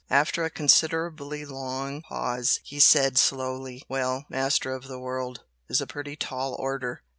After a considerably long pause he said, slowly "Well, 'master of the world' is a pretty tall order!